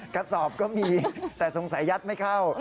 กระสอบก็มีแต่สงสัยยัดไม่เข้า